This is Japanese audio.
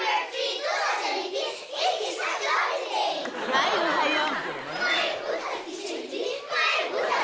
はい、おはよう。